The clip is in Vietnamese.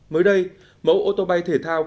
mới đây mẫu ô tô bay thể thao